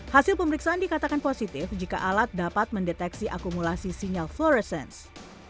hasil pemeriksaan dikatakan positif jika alat dapat mendeteksi akumulasi sinyal foresnce